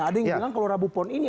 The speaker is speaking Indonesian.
ada yang bilang kalau rabu pon ini